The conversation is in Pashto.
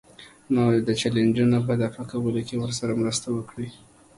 نو د چیلنجونو په دفع کولو کې ورسره مرسته وکړئ.